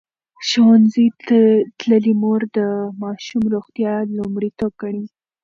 ښوونځې تللې مور د ماشوم روغتیا لومړیتوب ګڼي.